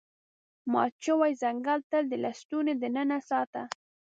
مات شوی څنګل تل د لستوڼي دننه ساته.